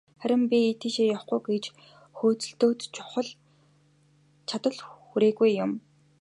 Харин би тийшээ явахгүй гэж хөөцөлдөөд, чадал хүрээгүй юм.